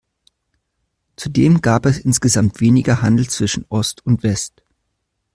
Zudem gab es insgesamt weniger Handel zwischen Ost und West.